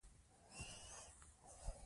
هغه د وږو او نینو سوداګري کوله.